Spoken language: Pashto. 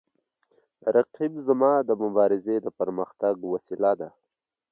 رقیب زما د مبارزې د پرمختګ وسیله ده